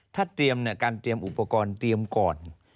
ถ้าเตรียมเนี่ยการเตรียมอุปกรณ์เตรียมก่อน